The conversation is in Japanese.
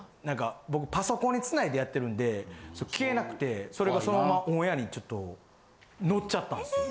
僕パソコンに繋いでやってるんで消えなくてそれがそのままオンエアにちょっとのっちゃったんですよ。